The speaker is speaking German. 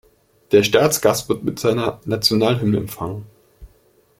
Der Staatsgast wird mit seiner Nationalhymne empfangen.